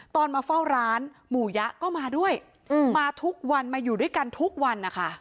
มาเฝ้าร้านหมูยะก็มาด้วยมาทุกวันมาอยู่ด้วยกันทุกวันนะคะ